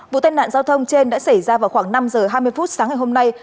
vụ tai nạn giao thông trên đã xảy ra vào khoảng năm h hai mươi phút sáng ngày hôm nay